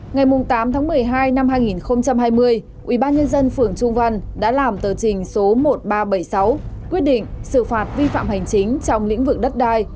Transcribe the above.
ngày tám tháng một mươi hai năm hai nghìn hai mươi ubnd phường trung văn đã làm tờ trình số một nghìn ba trăm bảy mươi sáu quyết định xử phạt vi phạm hành chính trong lĩnh vực đất đai